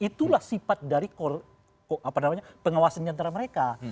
itulah sifat dari pengawasannya antara mereka